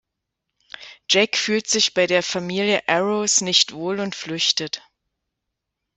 Jack fühlt sich bei der Familie Arrows nicht wohl und flüchtet.